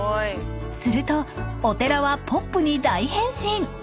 ［するとお寺はポップに大変身！］